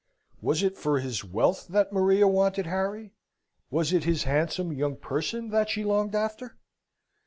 Was it for his wealth that Maria wanted Harry? Was it his handsome young person that she longed after?